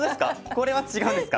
これは違うんですか。